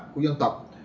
của dân tộc